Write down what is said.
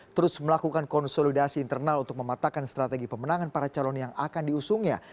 terus melakukan konsolidasi internal untuk mematakan strategi pemenangan para calon yang akan diusungnya